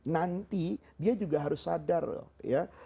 nanti dia juga harus sadar loh ya